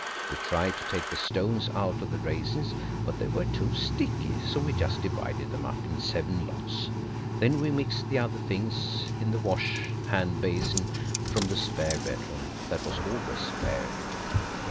We tried to take the stones out of the raisins, but they were too sticky, so we just divided them up in seven lots. Then we mixed the other things in the wash hand basin from the spare bedroom that was always spare.